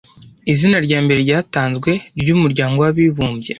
izina ryambere ryatanzwe rya Umuryango w’abibumbye